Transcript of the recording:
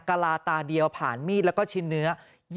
กลาตาเดียวผ่านมีดแล้วก็ชิ้นเนื้อ